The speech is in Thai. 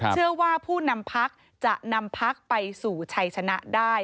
เชื่อว่าผู้นำพักจะนำพักไปสู่ชัยชนะได้